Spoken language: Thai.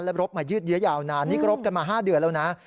รบมายืดเยอะยาวนานนี่ก็รบกันมา๕เดือนแล้วนะ